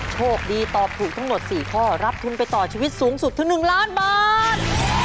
โชคดีตอบถูกทั้งหมด๔ข้อรับทุนไปต่อชีวิตสูงสุดถึง๑ล้านบาท